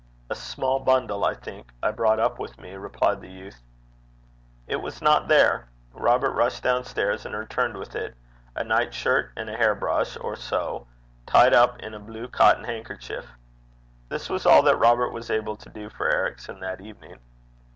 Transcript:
'A small bundle I think I brought up with me,' replied the youth. It was not there. Robert rushed down stairs, and returned with it a nightshirt and a hairbrush or so, tied up in a blue cotton handkerchief. This was all that Robert was able to do for Ericson that evening.